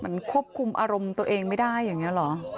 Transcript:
ควบคุมอารมณ์ตัวเองไม่ได้อย่างนี้เหรอ